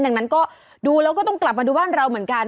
ดังนั้นก็ดูแล้วก็ต้องกลับมาดูบ้านเราเหมือนกัน